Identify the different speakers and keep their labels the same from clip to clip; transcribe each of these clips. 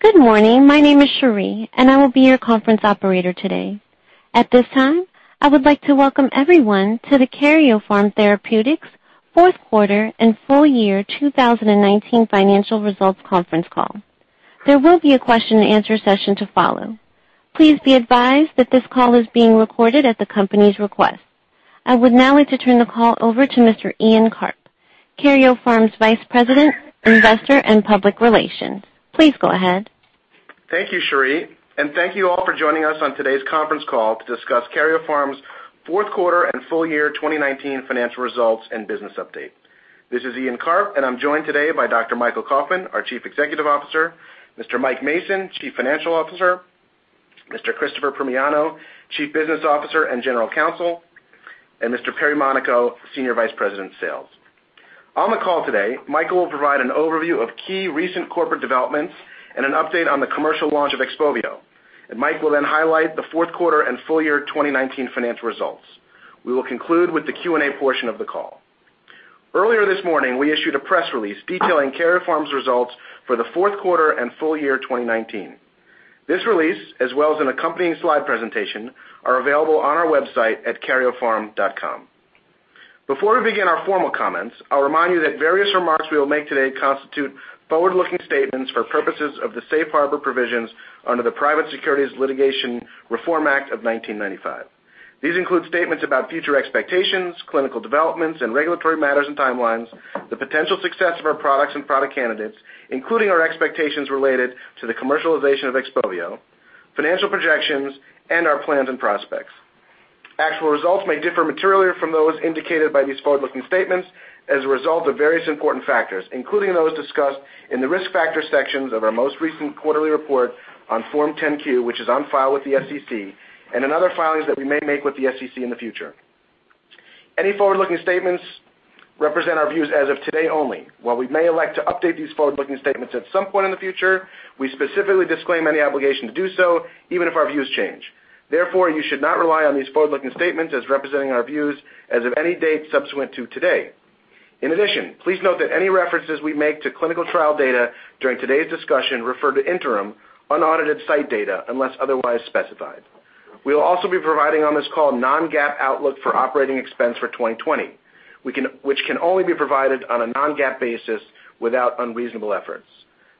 Speaker 1: Good morning. My name is Sheree. I will be your Conference Operator today. At this time, I would like to welcome everyone to the Karyopharm Therapeutics Fourth Quarter and Full Year 2019 Financial Results Conference call. There will be a question and answer session to follow. Please be advised that this call is being recorded at the company's request. I would now like to turn the call over to Mr. Ian Karp, Karyopharm's Vice President, Investor and Public Relations. Please go ahead.
Speaker 2: Thank you, Sheree. Thank you all for joining us on today's conference call to discuss Karyopharm's fourth quarter and full year 2019 financial results and business update. This is Ian Karp, and I'm joined today by Dr. Michael Kauffman, our Chief Executive Officer, Mr. Mike Mason, Chief Financial Officer, Mr. Christopher Primiano, Chief Business Officer and General Counsel, and Mr. Perry Monaco, Senior Vice President of Sales. On the call today, Michael will provide an overview of key recent corporate developments and an update on the commercial launch of XPOVIO. Mike will then highlight the fourth quarter and full year 2019 financial results. We will conclude with the Q&A portion of the call. Earlier this morning, we issued a press release detailing Karyopharm's results for the fourth quarter and full year 2019. This release, as well as an accompanying slide presentation, are available on our website at karyopharm.com. Before we begin our formal comments, I'll remind you that various remarks we will make today constitute forward-looking statements for purposes of the safe harbor provisions under the Private Securities Litigation Reform Act of 1995. These include statements about future expectations, clinical developments, and regulatory matters and timelines, the potential success of our products and product candidates, including our expectations related to the commercialization of XPOVIO, financial projections, and our plans and prospects. Actual results may differ materially from those indicated by these forward-looking statements as a result of various important factors, including those discussed in the Risk Factors sections of our most recent quarterly report on Form 10-Q, which is on file with the SEC, and in other filings that we may make with the SEC in the future. Any forward-looking statements represent our views as of today only. While we may elect to update these forward-looking statements at some point in the future, we specifically disclaim any obligation to do so, even if our views change. Therefore, you should not rely on these forward-looking statements as representing our views as of any date subsequent to today. In addition, please note that any references we make to clinical trial data during today's discussion refer to interim, unaudited site data, unless otherwise specified. We will also be providing on this call non-GAAP outlook for operating expense for 2020, which can only be provided on a non-GAAP basis without unreasonable efforts.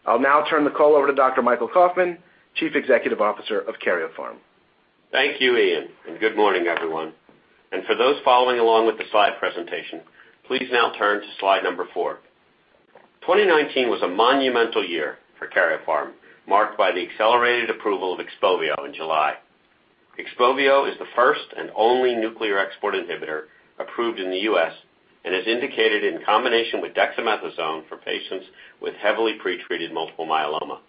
Speaker 2: I'll now turn the call over to Dr. Michael Kauffman, Chief Executive Officer of Karyopharm.
Speaker 3: Thank you, Ian. Good morning, everyone. For those following along with the slide presentation, please now turn to slide number four. 2019 was a monumental year for Karyopharm, marked by the accelerated approval of XPOVIO in July. XPOVIO is the first and only nuclear export inhibitor approved in the U.S. and is indicated in combination with dexamethasone for patients with heavily pre-treated multiple myeloma.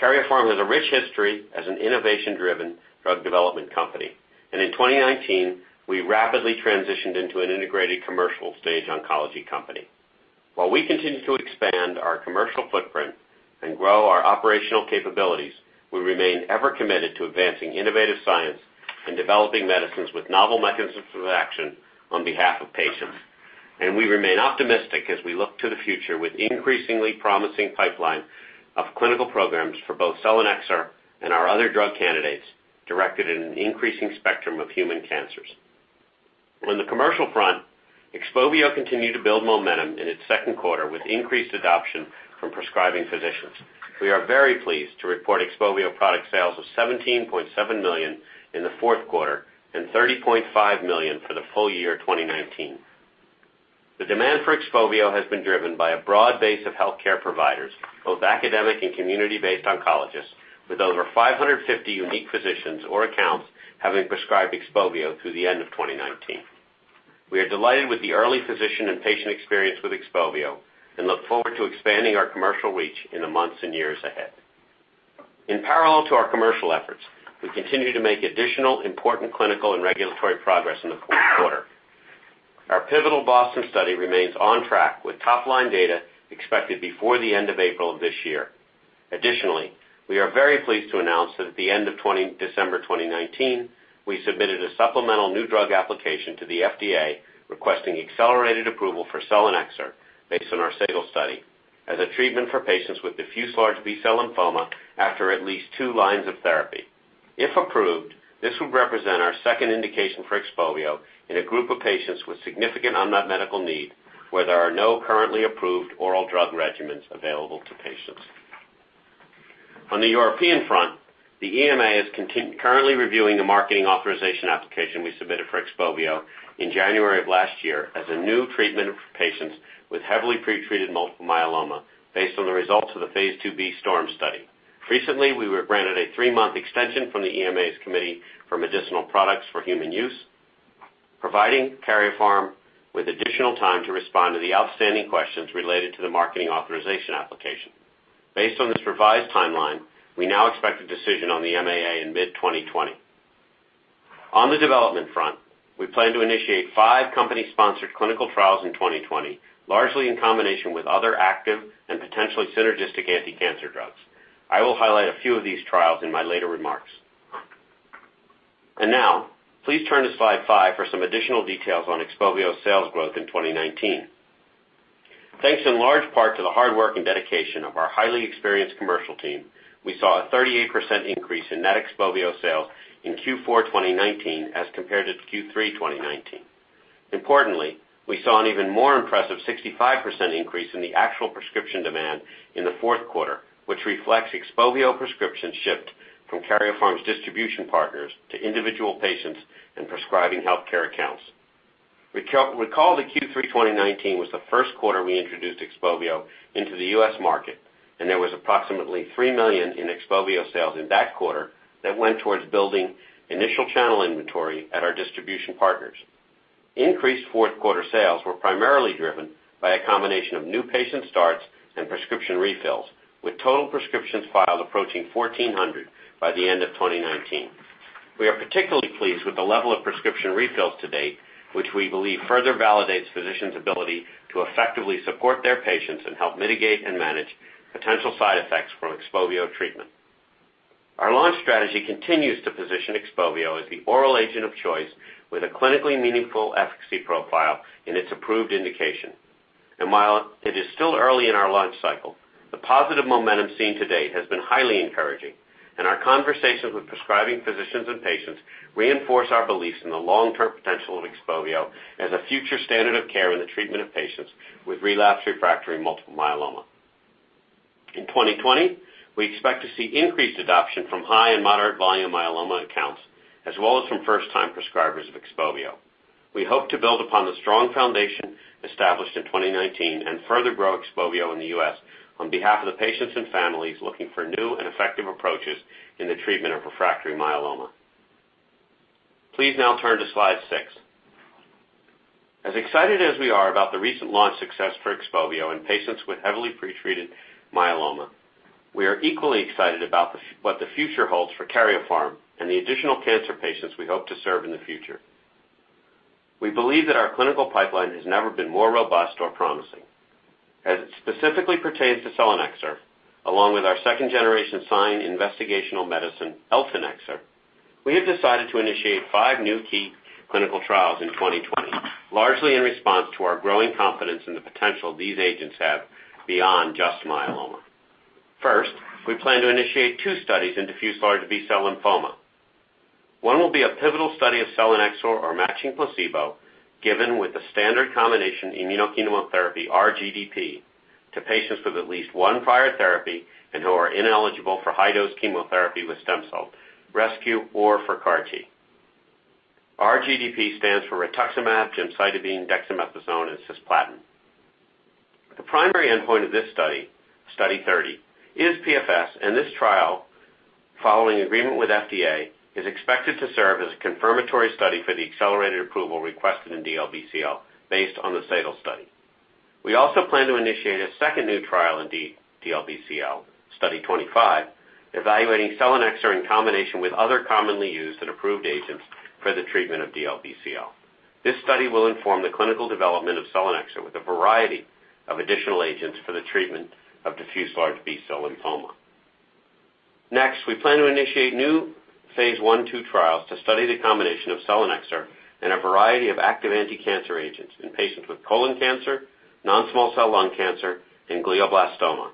Speaker 3: Karyopharm has a rich history as an innovation-driven drug development company, and in 2019, we rapidly transitioned into an integrated commercial-stage oncology company. While we continue to expand our commercial footprint and grow our operational capabilities, we remain ever committed to advancing innovative science and developing medicines with novel mechanisms of action on behalf of patients. We remain optimistic as we look to the future with increasingly promising pipeline of clinical programs for both selinexor and our other drug candidates directed at an increasing spectrum of human cancers. On the commercial front, XPOVIO continued to build momentum in its second quarter with increased adoption from prescribing physicians. We are very pleased to report XPOVIO product sales of $17.7 million in the fourth quarter and $30.5 million for the full year 2019. The demand for XPOVIO has been driven by a broad base of healthcare providers, both academic and community-based oncologists with over 550 unique physicians or accounts having prescribed XPOVIO through the end of 2019. We are delighted with the early physician and patient experience with XPOVIO and look forward to expanding our commercial reach in the months and years ahead. In parallel to our commercial efforts, we continue to make additional important clinical and regulatory progress in the fourth quarter. Our pivotal BOSTON study remains on track with top-line data expected before the end of April of this year. Additionally, we are very pleased to announce that at the end of December 2019, we submitted a supplemental new drug application to the FDA requesting accelerated approval for selinexor based on our SADAL study as a treatment for patients with diffuse large B-cell lymphoma after at least two lines of therapy. If approved, this would represent our second indication for XPOVIO in a group of patients with significant unmet medical need where there are no currently approved oral drug regimens available to patients. On the European front, the EMA is currently reviewing a Marketing Authorisation Application we submitted for XPOVIO in January of last year as a new treatment for patients with heavily pre-treated multiple myeloma based on the results of the phase II-B STORM study. Recently, we were granted a three-month extension from the EMA's Committee for Medicinal Products for Human Use, providing Karyopharm with additional time to respond to the outstanding questions related to the Marketing Authorisation Application. Based on this revised timeline, we now expect a decision on the MAA in mid-2020. On the development front, we plan to initiate five company-sponsored clinical trials in 2020, largely in combination with other active and potentially synergistic anti-cancer drugs. I will highlight a few of these trials in my later remarks. Now please turn to slide five for some additional details on XPOVIO's sales growth in 2019. Thanks in large part to the hard work and dedication of our highly experienced commercial team, we saw a 38% increase in net XPOVIO sales in Q4 2019 as compared to Q3 2019. Importantly, we saw an even more impressive 65% increase in the actual prescription demand in the fourth quarter, which reflects XPOVIO prescription shift from Karyopharm's distribution partners to individual patients and prescribing healthcare accounts. Recall that Q3 2019 was the first quarter we introduced XPOVIO into the U.S. market, there was approximately $3 million in XPOVIO sales in that quarter that went towards building initial channel inventory at our distribution partners. Increased fourth quarter sales were primarily driven by a combination of new patient starts and prescription refills, with total prescriptions filed approaching 1,400 by the end of 2019. We are particularly pleased with the level of prescription refills to date, which we believe further validates physicians' ability to effectively support their patients and help mitigate and manage potential side effects from XPOVIO treatment. Our launch strategy continues to position XPOVIO as the oral agent of choice with a clinically meaningful efficacy profile in its approved indication. While it is still early in our launch cycle, the positive momentum seen to date has been highly encouraging, and our conversations with prescribing physicians and patients reinforce our belief in the long-term potential of XPOVIO as a future standard of care in the treatment of patients with relapsed refractory multiple myeloma. In 2020, we expect to see increased adoption from high and moderate volume myeloma accounts, as well as from first-time prescribers of XPOVIO. We hope to build upon the strong foundation established in 2019 and further grow XPOVIO in the U.S. on behalf of the patients and families looking for new and effective approaches in the treatment of refractory myeloma. Please now turn to slide six. As excited as we are about the recent launch success for XPOVIO in patients with heavily pretreated myeloma, we are equally excited about what the future holds for Karyopharm and the additional cancer patients we hope to serve in the future. We believe that our clinical pipeline has never been more robust or promising. As it specifically pertains to selinexor, along with our second-generation SINE investigational medicine, eltanexor, we have decided to initiate five new key clinical trials in 2020, largely in response to our growing confidence in the potential these agents have beyond just myeloma. First, we plan to initiate two studies in diffuse large B-cell lymphoma. One will be a pivotal study of selinexor or matching placebo given with the standard combination immuno-chemotherapy R-GDP to patients with at least one prior therapy and who are ineligible for high-dose chemotherapy with stem cell rescue or for CAR-T. R-GDP stands for rituximab, gemcitabine, dexamethasone, and cisplatin. The primary endpoint of this study, Study 30, is PFS, and this trial, following agreement with FDA, is expected to serve as a confirmatory study for the accelerated approval requested in DLBCL based on the SADAL study. We also plan to initiate a second new trial in DLBCL, Study 25, evaluating selinexor in combination with other commonly used and approved agents for the treatment of DLBCL. This study will inform the clinical development of selinexor with a variety of additional agents for the treatment of diffuse large B-cell lymphoma. Next, we plan to initiate new phase I-II trials to study the combination of selinexor and a variety of active anticancer agents in patients with colon cancer, non-small cell lung cancer, and glioblastoma.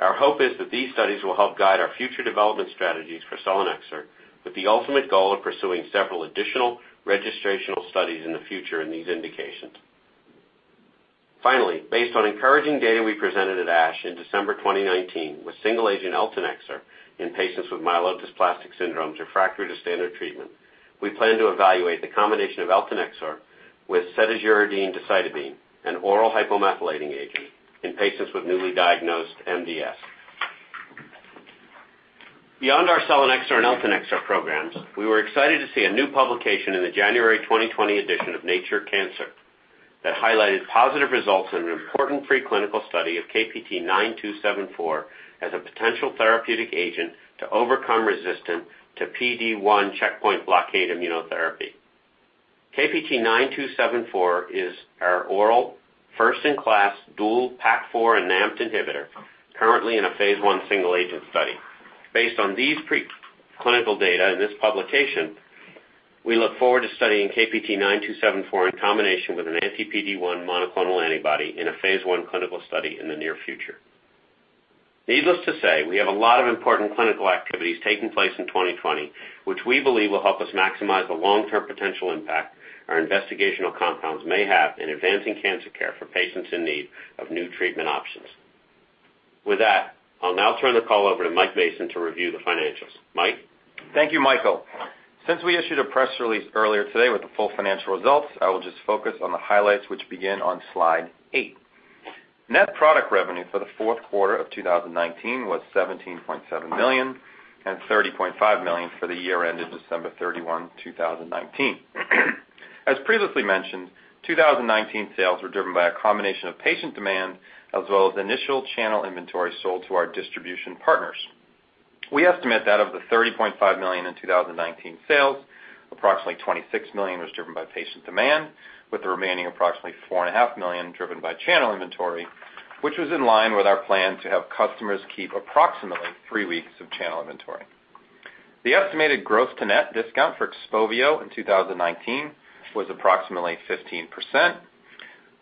Speaker 3: Our hope is that these studies will help guide our future development strategies for selinexor with the ultimate goal of pursuing several additional registrational studies in the future in these indications. Finally, based on encouraging data we presented at ASH in December 2019 with single-agent selinexor in patients with myelodysplastic syndromes refractory to standard treatment, we plan to evaluate the combination of selinexor with cedazuridine and decitabine, an oral hypomethylating agent, in patients with newly diagnosed MDS. Beyond our selinexor and eltanexor programs, we were excited to see a new publication in the January 2020 edition of "Nature Cancer" that highlighted positive results in an important pre-clinical study of KPT-9274 as a potential therapeutic agent to overcome resistance to PD-1 checkpoint blockade immunotherapy. KPT-9274 is our oral first-in-class dual PAK4 and NAMPT inhibitor currently in a phase I single-agent study. Based on these pre-clinical data and this publication, we look forward to studying KPT-9274 in combination with an anti-PD-1 monoclonal antibody in a phase I clinical study in the near future. Needless to say, we have a lot of important clinical activities taking place in 2020, which we believe will help us maximize the long-term potential impact our investigational compounds may have in advancing cancer care for patients in need of new treatment options. With that, I'll now turn the call over to Mike Mason to review the financials. Mike?
Speaker 4: Thank you, Michael. Since we issued a press release earlier today with the full financial results, I will just focus on the highlights, which begin on slide eight. Net product revenue for the fourth quarter of 2019 was $17.7 million and 30.5 million for the year ended December 31, 2019. As previously mentioned, 2019 sales were driven by a combination of patient demand as well as initial channel inventory sold to our distribution partners. We estimate that of the $30.5 million in 2019 sales, approximately $26 million was driven by patient demand, with the remaining approximately four and a half million driven by channel inventory, which was in line with our plan to have customers keep approximately three weeks of channel inventory. The estimated gross to net discount for XPOVIO in 2019 was approximately 15%.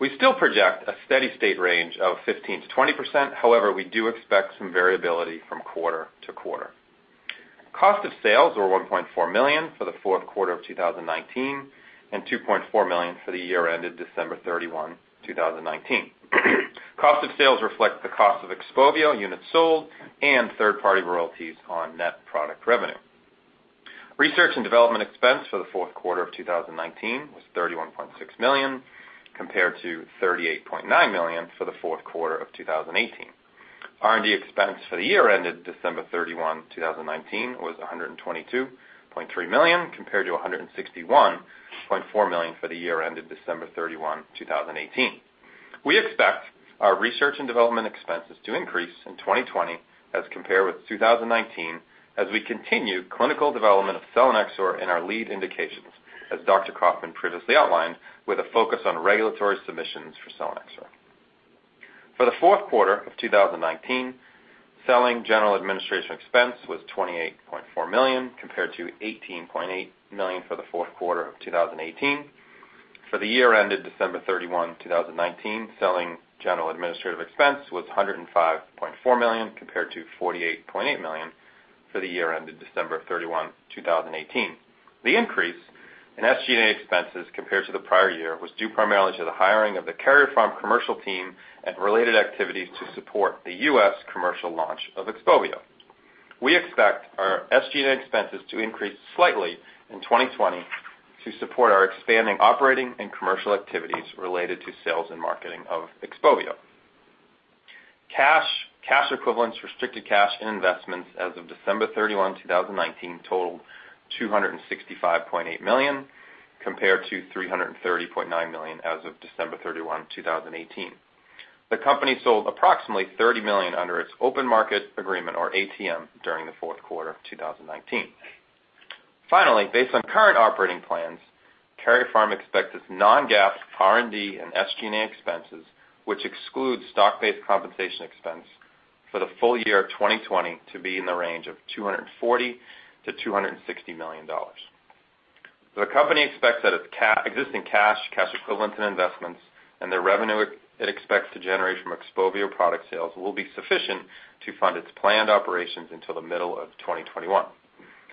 Speaker 4: We still project a steady state range of 15%-20%. However, we do expect some variability from quarter to quarter. Cost of sales were $1.4 million for the fourth quarter of 2019 and $2.4 million for the year ended December 31, 2019. Cost of sales reflect the cost of XPOVIO units sold and third-party royalties on net product revenue. Research and development expense for the fourth quarter of 2019 was $31.6 million, compared to 38.9 million for the fourth quarter of 2018. R&D expense for the year ended December 31, 2019, was $122.3 million compared to 161.4 million for the year ended December 31, 2018. We expect our research and development expenses to increase in 2020 as compared with 2019 as we continue clinical development of selinexor in our lead indications, as Dr. Kauffman previously outlined, with a focus on regulatory submissions for selinexor. For the fourth quarter of 2019, selling general administration expense was $28.4 million, compared to 18.8 million for the fourth quarter of 2018. For the year ended December 31, 2019, selling general administrative expense was $105.4 million compared to 48.8 million for the year ended December 31, 2018. The increase in SG&A expenses compared to the prior year was due primarily to the hiring of the Karyopharm commercial team and related activities to support the U.S. commercial launch of XPOVIO. We expect our SG&A expenses to increase slightly in 2020 to support our expanding operating and commercial activities related to sales and marketing of XPOVIO. Cash, cash equivalents, restricted cash, and investments as of December 31, 2019 totaled $265.8 million, compared to $330.9 million as of December 31, 2018. The company sold approximately $30 million under its open market agreement or ATM during the fourth quarter of 2019. Finally, based on current operating plans, Karyopharm expects its non-GAAP R&D and SG&A expenses, which excludes stock-based compensation expense for the full year of 2020 to be in the range of $240 million-260 million. The company expects that its existing cash equivalents, and investments, and the revenue it expects to generate from XPOVIO product sales will be sufficient to fund its planned operations until the middle of 2021.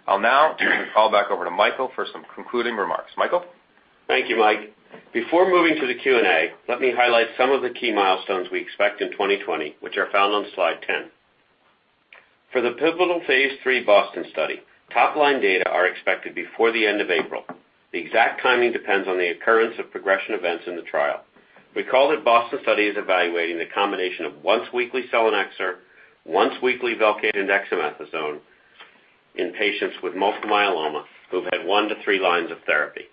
Speaker 4: I'll now turn the call back over to Michael for some concluding remarks. Michael?
Speaker 3: Thank you, Mike. Before moving to the Q&A, let me highlight some of the key milestones we expect in 2020, which are found on slide 10. For the pivotal phase III BOSTON study, top-line data are expected before the end of April. The exact timing depends on the occurrence of progression events in the trial. Recall that BOSTON study is evaluating the combination of once-weekly selinexor, once-weekly VELCADE and dexamethasone in patients with multiple myeloma who've had one to three lines of therapy.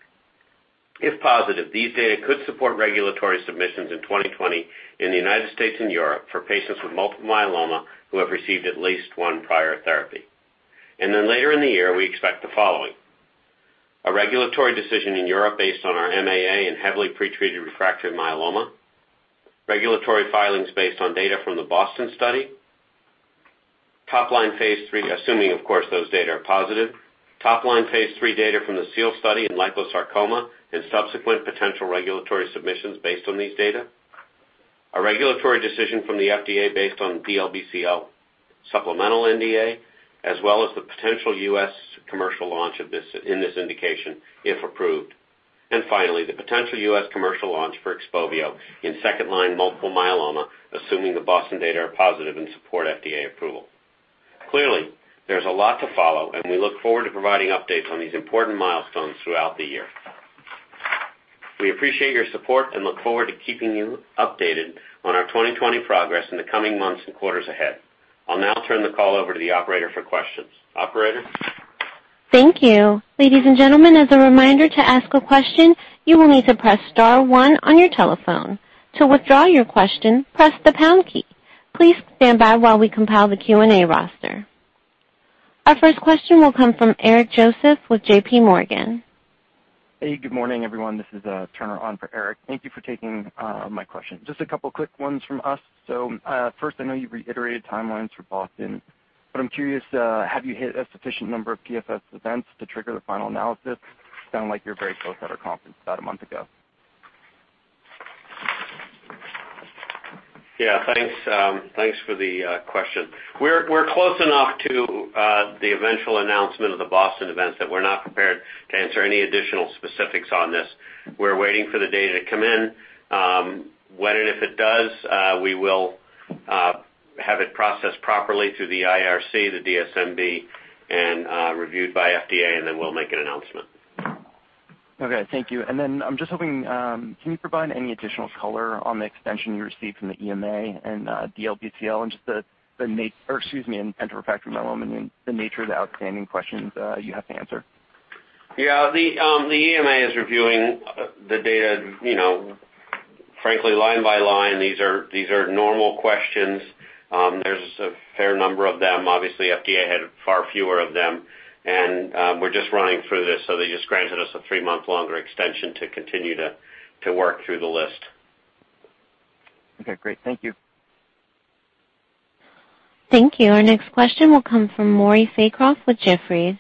Speaker 3: If positive, these data could support regulatory submissions in 2020 in the United States and Europe for patients with multiple myeloma who have received at least one prior therapy. Later in the year, we expect the following: A regulatory decision in Europe based on our MAA in heavily pretreated refractory myeloma, regulatory filings based on data from the BOSTON study, top line phase III, assuming of course those data are positive, top line phase III data from the SEAL study in liposarcoma and subsequent potential regulatory submissions based on these data, a regulatory decision from the FDA based on DLBCL supplemental NDA, as well as the potential U.S. commercial launch in this indication, if approved. Finally, the potential U.S. commercial launch for XPOVIO in second-line multiple myeloma, assuming the BOSTON data are positive and support FDA approval. Clearly, there's a lot to follow, and we look forward to providing updates on these important milestones throughout the year. We appreciate your support and look forward to keeping you updated on our 2020 progress in the coming months and quarters ahead. I'll now turn the call over to the operator for questions. Operator?
Speaker 1: Thank you. Ladies and gentlemen, as a reminder, to ask a question, you will need to press press star one on your telephone. To withdraw your question, press the pound key. Please stand by while we compile the Q&A roster. Our first question will come from Eric Joseph with JPMorgan.
Speaker 5: Hey, good morning, everyone. This is Turner on for Eric. Thank you for taking my question. Just a couple of quick ones from us. First, I know you reiterated timelines for BOSTON, but I'm curious, have you hit a sufficient number of PFS events to trigger the final analysis? Sound like you're very close at our conference about a month ago.
Speaker 3: Yeah. Thanks for the question. We're close enough to the eventual announcement of the BOSTON events that we're not prepared to answer any additional specifics on this. We're waiting for the data to come in. When and if it does, we will have it processed properly through the IRC, the DSMB, and reviewed by FDA, and then we'll make an announcement.
Speaker 5: Okay, thank you. I'm just hoping, can you provide any additional color on the extension you received from the EMA and DLBCL or excuse me, and refractory myeloma and the nature of the outstanding questions you have to answer?
Speaker 3: Yeah, the EMA is reviewing the data frankly line by line. These are normal questions. There's a fair number of them. Obviously, FDA had far fewer of them, and we're just running through this, so they just granted us a three-month longer extension to continue to work through the list.
Speaker 5: Okay, great. Thank you.
Speaker 1: Thank you. Our next question will come from Maury Raycroft with Jefferies.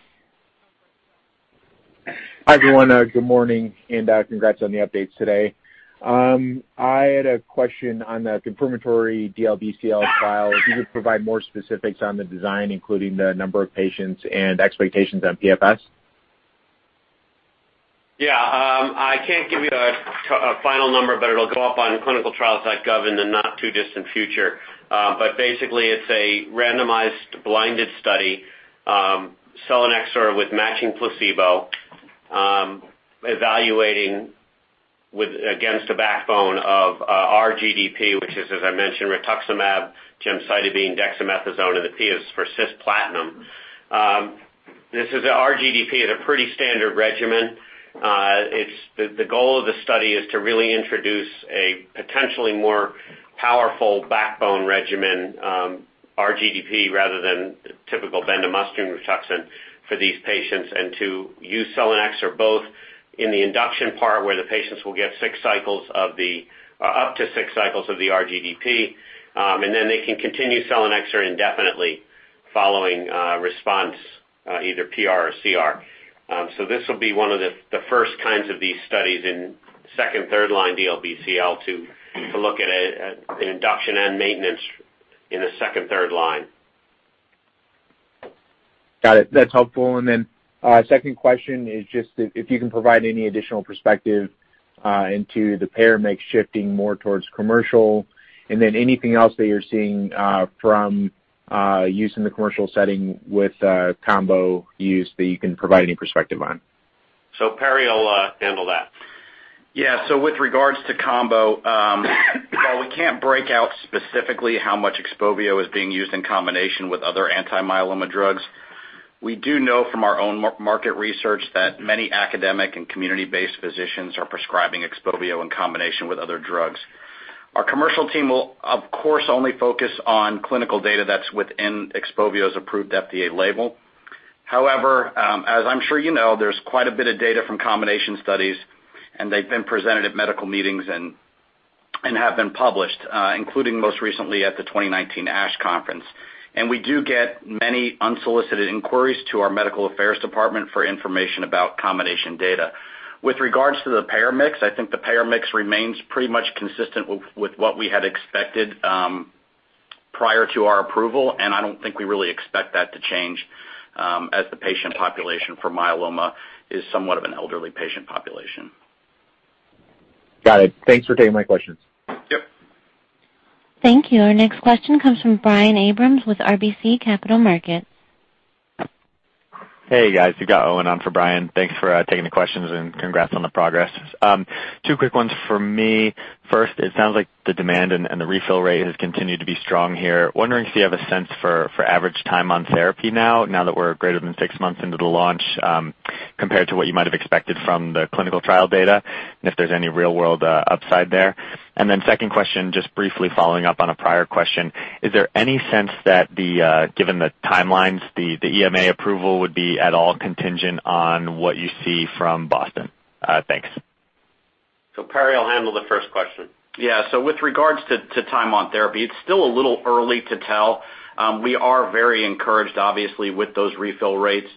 Speaker 6: Hi, everyone. Good morning. Congrats on the updates today. I had a question on the confirmatory DLBCL file. If you could provide more specifics on the design, including the number of patients and expectations on PFS?
Speaker 3: Yeah. I can't give you a final number, but it'll go up on clinicaltrials.gov in the not-too-distant future. Basically, it's a randomized blinded study, selinexor with matching placebo, evaluating against a backbone of R-GDP, which is, as I mentioned, rituximab, gemcitabine, dexamethasone, and the P is for cisplatin. R-GDP is a pretty standard regimen. The goal of the study is to really introduce a potentially more powerful backbone regimen, R-GDP, rather than typical bendamustine, RITUXAN for these patients and to use selinexor both in the induction part, where the patients will get up to six cycles of the R-GDP, and then they can continue selinexor indefinitely following a response, either PR or CR. This will be one of the first kinds of these studies in second, third-line DLBCL to look at an induction and maintenance in the second, third line.
Speaker 6: Got it. That's helpful. Second question is just if you can provide any additional perspective into the payer mix shifting more towards commercial, and then anything else that you're seeing from use in the commercial setting with combo use that you can provide any perspective on.
Speaker 3: Perry will handle that.
Speaker 7: Yes, with regards to combo, while we can't break out specifically how much XPOVIO is being used in combination with other anti-myeloma drugs, we do know from our own market research that many academic and community-based physicians are prescribing XPOVIO in combination with other drugs. Our commercial team will, of course, only focus on clinical data that's within XPOVIO's approved FDA label. However, as I'm sure you know, there's quite a bit of data from combination studies, and they've been presented at medical meetings and have been published, including most recently at the 2019 ASH conference. We do get many unsolicited inquiries to our medical affairs department for information about combination data. With regards to the payer mix, I think the payer mix remains pretty much consistent with what we had expected prior to our approval. I don't think we really expect that to change, as the patient population for myeloma is somewhat of an elderly patient population.
Speaker 6: Got it. Thanks for taking my questions.
Speaker 7: Yep.
Speaker 1: Thank you. Our next question comes from Brian Abrahams with RBC Capital Markets.
Speaker 8: Hey, guys. You got Owen on for Brian. Thanks for taking the questions, and congrats on the progress. Two quick ones for me. First, it sounds like the demand and the refill rate has continued to be strong here. Wondering if you have a sense for average time on therapy now that we're greater than six months into the launch, compared to what you might have expected from the clinical trial data, and if there's any real-world upside there. Second question, just briefly following up on a prior question, is there any sense that given the timelines, the EMA approval would be at all contingent on what you see from BOSTON? Thanks.
Speaker 3: Perry will handle the first question.
Speaker 7: Yeah. With regards to time on therapy, it's still a little early to tell. We are very encouraged, obviously, with those refill rates.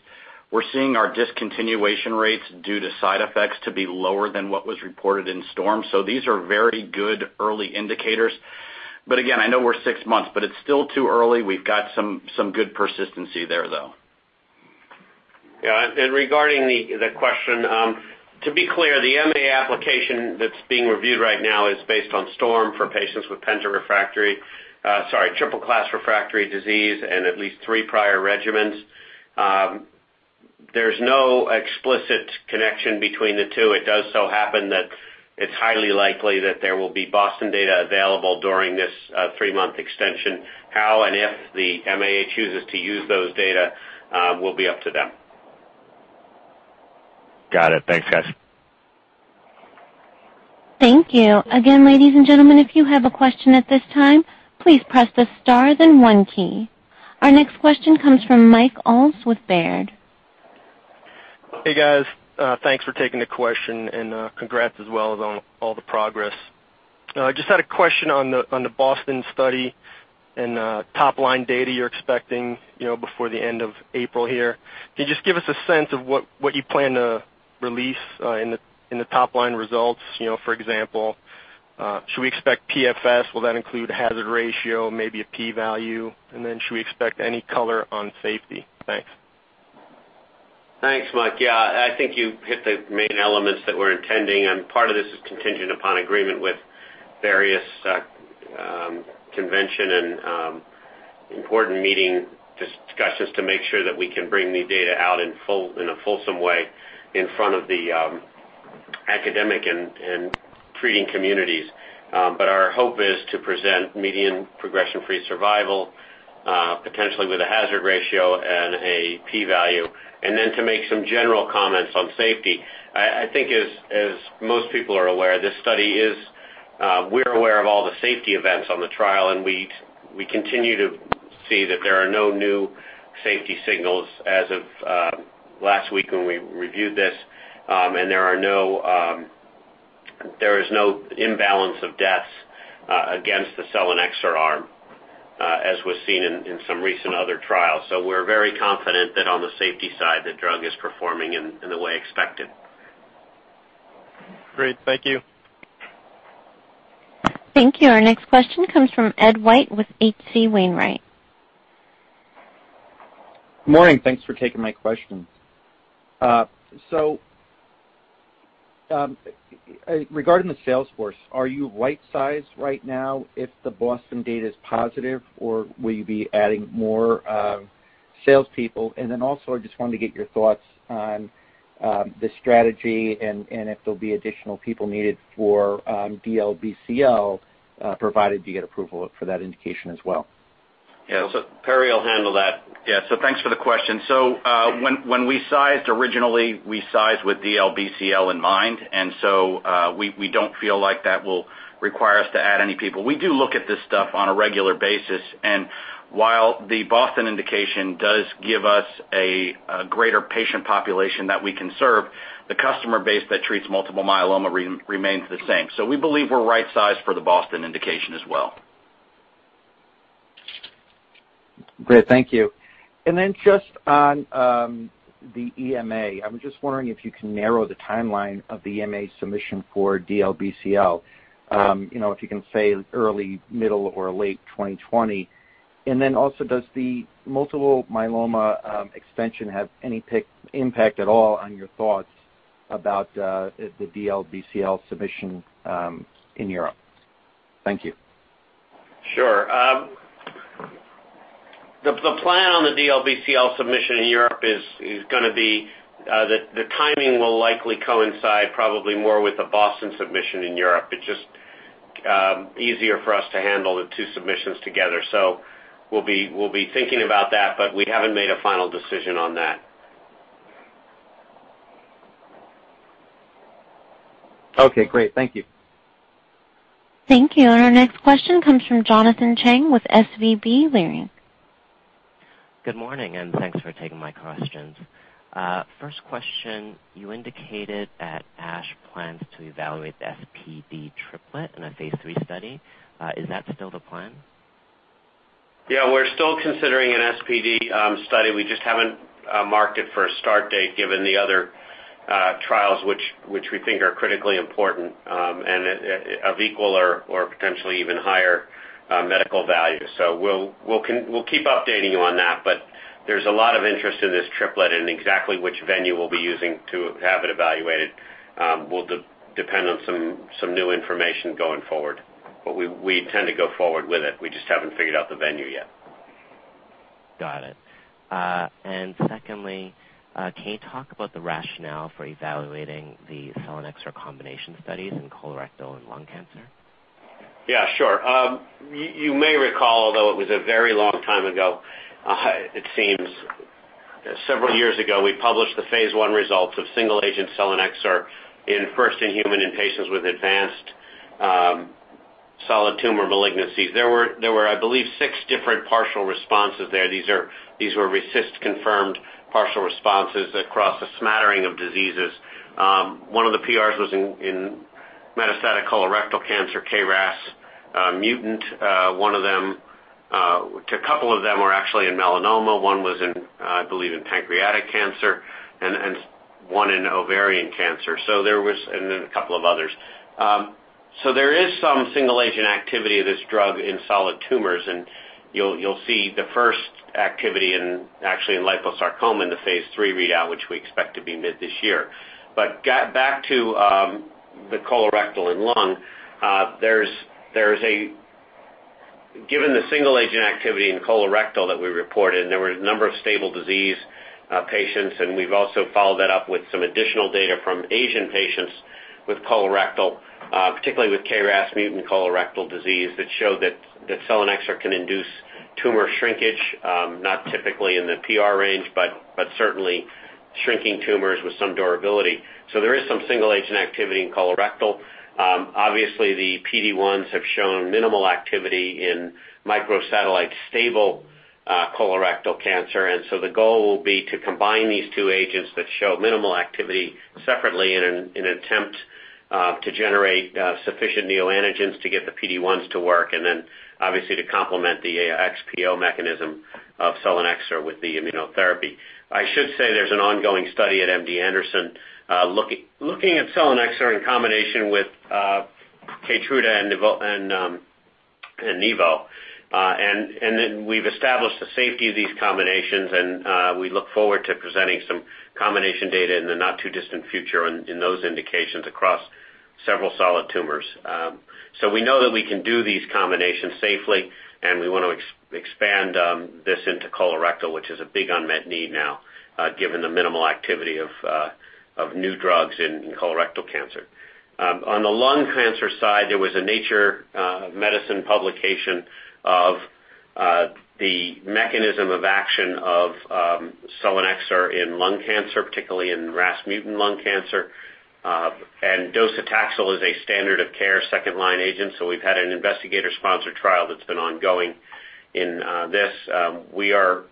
Speaker 7: We're seeing our discontinuation rates due to side effects to be lower than what was reported in STORM. These are very good early indicators. Again, I know we're six months, but it's still too early. We've got some good persistency there, though.
Speaker 3: Yeah. Regarding the question, to be clear, the EMA application that's being reviewed right now is based on STORM for patients with triple-class refractory disease and at least three prior regimens. There's no explicit connection between the two. It does so happen that it's highly likely that there will be BOSTON data available during this three-month extension. How and if the MAA chooses to use those data will be up to them.
Speaker 8: Got it. Thanks, guys.
Speaker 1: Thank you. Again, ladies and gentlemen, if you have a question at this time, please press the star then one key. Our next question comes from Mike Ulz with Baird.
Speaker 9: Hey, guys. Thanks for taking the question, congrats as well on all the progress. I just had a question on the BOSTON study and top-line data you're expecting before the end of April here. Can you just give us a sense of what you plan to release in the top-line results? For example, should we expect PFS? Will that include hazard ratio, maybe a P value? Should we expect any color on safety? Thanks.
Speaker 3: Thanks, Mike. Yeah, I think you hit the main elements that we're intending, and part of this is contingent upon agreement with various convention and important meeting discussions to make sure that we can bring the data out in a fulsome way in front of the academic and treating communities. Our hope is to present median progression-free survival, potentially with a hazard ratio and a P value, and then to make some general comments on safety. I think as most people are aware, this study, we're aware of all the safety events on the trial, and we continue to see that there are no new safety signals as of last week when we reviewed this, and there is no imbalance of deaths against the selinexor arm as was seen in some recent other trials. We're very confident that on the safety side, the drug is performing in the way expected.
Speaker 9: Great. Thank you.
Speaker 1: Thank you. Our next question comes from Ed White with H.C. Wainwright.
Speaker 10: Morning. Thanks for taking my questions. Regarding the sales force, are you right-sized right now if the BOSTON data is positive, or will you be adding more salespeople? Also, I just wanted to get your thoughts on the strategy and if there'll be additional people needed for DLBCL, provided you get approval for that indication as well.
Speaker 3: Perry will handle that.
Speaker 7: Thanks for the question. When we sized originally, we sized with DLBCL in mind, and so we don't feel like that will require us to add any people. We do look at this stuff on a regular basis, and while the BOSTON indication does give us a greater patient population that we can serve, the customer base that treats multiple myeloma remains the same. We believe we're right-sized for the BOSTON indication as well.
Speaker 10: Great. Thank you. Just on the EMA, I was just wondering if you can narrow the timeline of the EMA submission for DLBCL. If you can say early, middle, or late 2020. Also, does the multiple myeloma extension have any impact at all on your thoughts about the DLBCL submission in Europe? Thank you.
Speaker 7: Sure. The plan on the DLBCL submission in Europe is going to be that the timing will likely coincide probably more with the BOSTON submission in Europe. It's just easier for us to handle the two submissions together. We'll be thinking about that, but we haven't made a final decision on that.
Speaker 10: Okay, great. Thank you.
Speaker 1: Thank you. Our next question comes from Jonathan Chang with SVB Leerink.
Speaker 11: Good morning. Thanks for taking my questions. First question, you indicated that ASH plans to evaluate the XPD triplet in a phase III study. Is that still the plan?
Speaker 3: Yeah, we're still considering an XPD study. We just haven't marked it for a start date given the other trials, which we think are critically important, and of equal or potentially even higher medical value. We'll keep updating you on that, but there's a lot of interest in this triplet, and exactly which venue we'll be using to have it evaluated will depend on some new information going forward. We intend to go forward with it. We just haven't figured out the venue yet.
Speaker 11: Got it. Secondly, can you talk about the rationale for evaluating the selinexor combination studies in colorectal and lung cancer?
Speaker 3: Yeah, sure. You may recall, although it was a very long time ago, it seems several years ago, we published the phase I results of single agent selinexor in first in human in patients with advanced Solid Tumor Malignancies. There were, I believe, six different partial responses there. These were RECIST-confirmed partial responses across a smattering of diseases. One of the PRs was in metastatic colorectal cancer, KRAS mutant. A couple of them were actually in melanoma. One was in, I believe, in pancreatic cancer, and one in ovarian cancer, and then a couple of others. There is some single agent activity of this drug in solid tumors, and you'll see the first activity actually in liposarcoma in the phase III readout, which we expect to be mid this year. Back to the colorectal and lung, given the single agent activity in colorectal that we reported, there were a number of stable disease patients, and we've also followed that up with some additional data from Asian patients with colorectal, particularly with KRAS mutant colorectal disease, that showed that selinexor can induce tumor shrinkage, not typically in the PR range, but certainly shrinking tumors with some durability. There is some single agent activity in colorectal. Obviously, the PD-1s have shown minimal activity in microsatellite stable colorectal cancer, and so the goal will be to combine these two agents that show minimal activity separately in an attempt to generate sufficient neoantigens to get the PD-1s to work, and then obviously to complement the XPO mechanism of selinexor with the immunotherapy. I should say there's an ongoing study at MD Anderson looking at selinexor in combination with KEYTRUDA and nivo, and then we've established the safety of these combinations, and we look forward to presenting some combination data in the not-too-distant future in those indications across several solid tumors. We know that we can do these combinations safely, and we want to expand this into colorectal, which is a big unmet need now, given the minimal activity of new drugs in colorectal cancer. On the lung cancer side, there was a Nature Medicine publication of the mechanism of action of selinexor in lung cancer, particularly in RAS mutant lung cancer. Docetaxel is a standard of care second-line agent, so we've had an investigator sponsor trial that's been ongoing in this. We are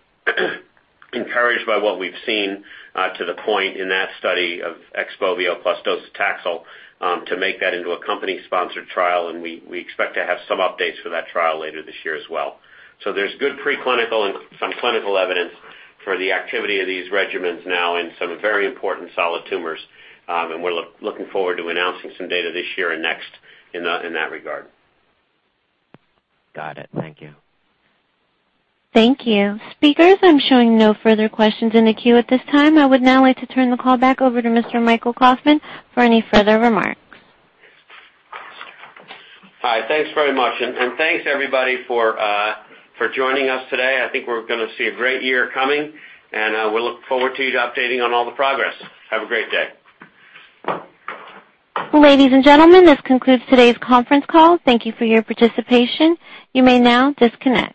Speaker 3: encouraged by what we've seen to the point in that study of XPOVIO plus docetaxel to make that into a company-sponsored trial, and we expect to have some updates for that trial later this year as well. There's good preclinical and some clinical evidence for the activity of these regimens now in some very important solid tumors, and we're looking forward to announcing some data this year and next in that regard.
Speaker 11: Got it. Thank you.
Speaker 1: Thank you. Speakers, I'm showing no further questions in the queue at this time. I would now like to turn the call back over to Mr. Michael Kauffman for any further remarks.
Speaker 3: Hi, thanks very much, and thanks, everybody, for joining us today. I think we're gonna see a great year coming, and we look forward to updating you on all the progress. Have a great day.
Speaker 1: Ladies and gentlemen, this concludes today's conference call. Thank you for your participation. You may now disconnect.